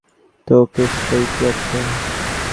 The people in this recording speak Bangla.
তো, কেসটায় কী আছে?